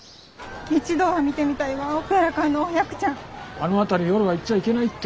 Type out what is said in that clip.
あの辺り夜は行っちゃいけないって。